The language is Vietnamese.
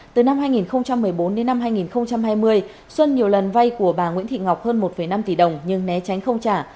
từ năm hai nghìn một mươi bốn đến năm hai nghìn hai mươi xuân nhiều lần vay của bà nguyễn thị ngọc hơn một năm tỷ đồng nhưng né tránh không trả